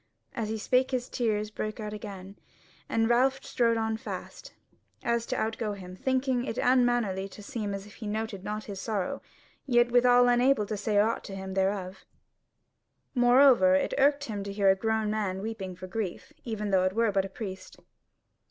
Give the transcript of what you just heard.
As he spake his tears brake out again, and Ralph strode on fast, so as to outgo him, thinking it unmannerly to seem as if he noted not his sorrow; yet withal unable to say aught to him thereof. Moreover it irked him to hear a grown man weeping for grief, even though it were but a priest.